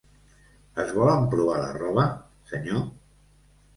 Es vol emprovar la roba, senyor?